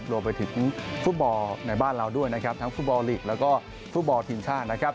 โดยไปถึงฟุตบอลในบ้านเราด้วยทั้งฟุตบอลหลีกและฟุตบอลทีมชาติ